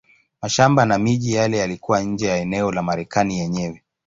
Mashamba na miji yale yalikuwa nje ya eneo la Marekani yenyewe.